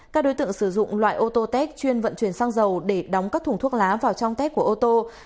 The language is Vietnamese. các đối tượng sử dụng loại ô tô tec chuyên vận chuyển sang dầu để đóng các thùng thuốc lá vào trong tec của ô tô